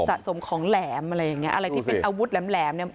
สะสมของแหลมอะไรอย่างเงี้อะไรที่เป็นอาวุธแหลมเนี่ย